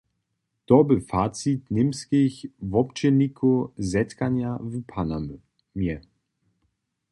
To bě facit němskich wobdźělnikow zetkanja w Panamje.